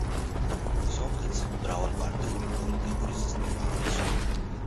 სომხეთს მრავალპარტიული პოლიტიკური სისტემა აქვს.